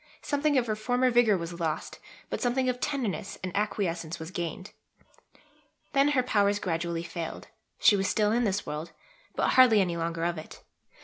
Something of her former vigour was lost, but something of tenderness and acquiescence was gained. Then her powers gradually failed; she was still in this world, but hardly any longer of it.